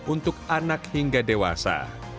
untuk anak hingga dewasa